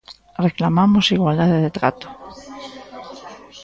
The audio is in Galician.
Reclamamos igualdade de trato.